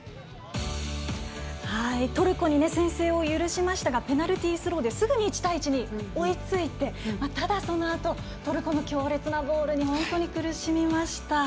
トルコに先制を許しましたがペナルティースローですぐに１対１に追いついてただ、そのあとトルコの強烈なボールに本当に苦しみました。